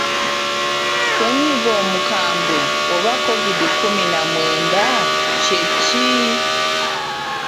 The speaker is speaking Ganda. Ssennyiga omukambwe Oba Kovidi kkumi na mwenda kye ki?